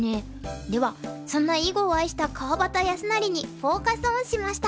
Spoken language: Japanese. ではそんな囲碁を愛した川端康成にフォーカス・オンしました。